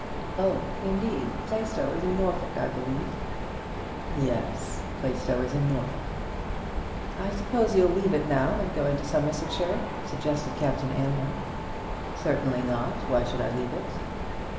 "Oh, indeed. Plaistow is in Norfolk, I believe?" "Yes; Plaistow is in Norfolk." "I suppose you'll leave it now and go into Somersetshire," suggested Captain Aylmer. "Certainly not. Why should I leave it?"